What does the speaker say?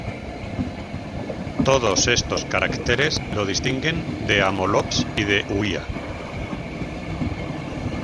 Todos estos caracteres lo distinguen de "Amolops" y de "Huia".